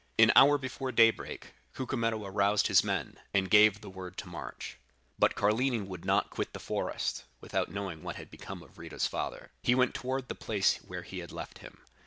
An hour before daybreak, Cucumetto aroused his men, and gave the word to march. But Carlini would not quit the forest, without knowing what had become of Rita's father. He went toward the place where he had left him.